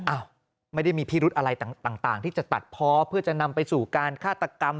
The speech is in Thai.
อ้าวไม่ได้มีพิรุธอะไรต่างที่จะตัดเพาะเพื่อจะนำไปสู่การฆาตกรรม